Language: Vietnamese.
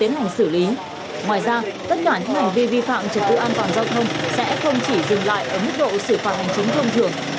ngoài ra tất cả những hành vi vi phạm trật tự an toàn giao thông sẽ không chỉ dừng lại ở mức độ xử phạt hành chính thông thường